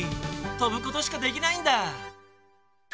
とぶことしかできないんだ。